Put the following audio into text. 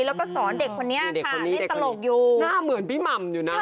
แล้วก็สอนเด็กคนนี้ค่ะได้ตลกอยู่